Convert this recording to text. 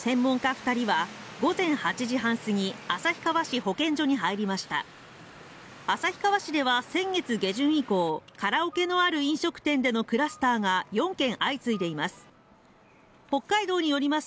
二人は午前８時半過ぎ旭川市保健所に入りました旭川市では先月下旬以降カラオケのある飲食店でのクラスターが４件相次いでいます